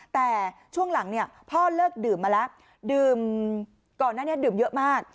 แต่ช่วงหลังเนี่ยพ่อเลิกดื่มมาแล้วดื่มก่อนหน้านี้ดื่มเยอะมาก